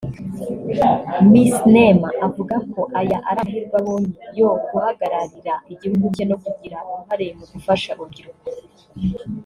Miss Neema avuga ko aya ari amahirwe abonye yo guhagararira igihugu cye no kugira uruhare mu gufasha urubyiruko